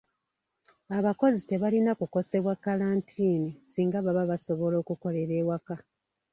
Abakozi tebalina kukosebwa kalantiini singa baba basobola okukolera ewaka.